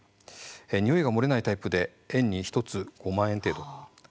においが漏れないタイプで園に１つ５万円程度。